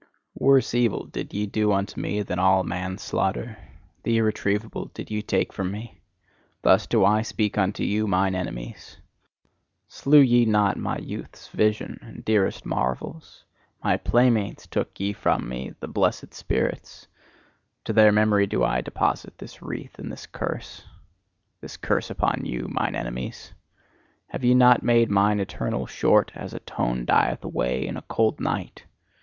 Worse evil did ye do unto me than all manslaughter; the irretrievable did ye take from me: thus do I speak unto you, mine enemies! Slew ye not my youth's visions and dearest marvels! My playmates took ye from me, the blessed spirits! To their memory do I deposit this wreath and this curse. This curse upon you, mine enemies! Have ye not made mine eternal short, as a tone dieth away in a cold night!